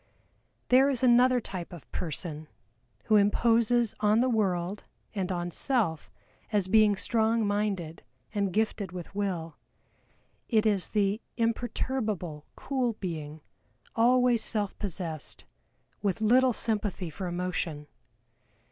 There is another type of person who imposes on the world and on self as being strong minded and gifted with Will. It is the imperturbable cool being, always self possessed, with little sympathy for emotion.